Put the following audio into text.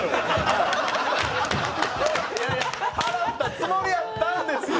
払ったつもりやったんですよ！